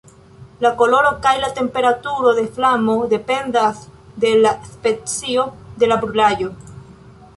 La koloro kaj la temperaturo de flamo dependas de la specio de la brulaĵo.